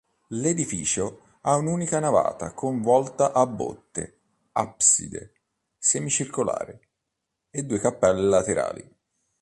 L'edificio ha un'unica navata con volta a botte, abside semicircolare, e due cappelle laterali.